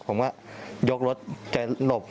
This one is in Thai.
ผมก็ยกรถแกหลบ